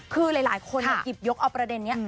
คือหลายคนหยิบยกเอาประเด็นนี้